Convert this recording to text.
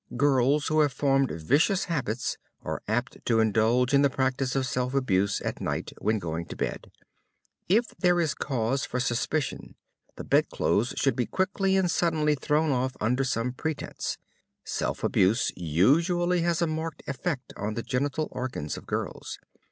Girls who have formed vicious habits are apt to indulge in the practice of self abuse at night when going to bed. If there is cause for suspicion, the bedclothes should be quickly and suddenly thrown off under some pretense. Self abuse usually has a marked effect on the genital organs of girls.